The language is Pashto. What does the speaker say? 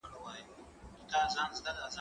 زه اجازه لرم چي زدکړه وکړم؟